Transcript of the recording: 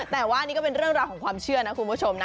แต่ว่านี่ก็เป็นเรื่องราวของความเชื่อนะคุณผู้ชมนะ